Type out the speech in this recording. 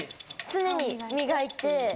常に磨いて。